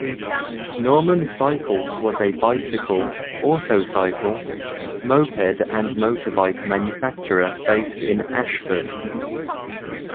Norman Cycles was a bicycle, autocycle, moped and motorbike manufacturer based in Ashford.